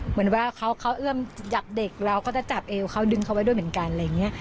เหมือนว่าเขาเอื้อมจับเด็กเราก็จะจับเอวเขาดึงเขาไว้ด้วยเหมือนกันอะไรอย่างนี้